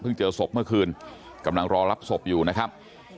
เจอศพเมื่อคืนกำลังรอรับศพอยู่นะครับ